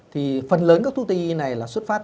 thì phần lớn các thuốc tây y này là xuất phát